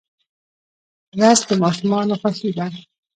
رس د ماشومانو خوښي ده